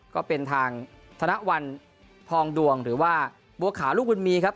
ก็เป็นทางธนวัลทองดวงหรือว่าบัวขาวลูกบุญมีครับ